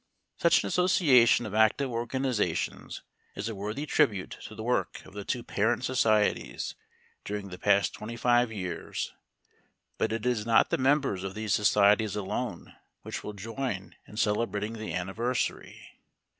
Such an association of active organizations is a worthy tribute to the work of the two parent societies during the past twenty five years; but it is not the members of these societies alone which will join in celebrating the anniversary.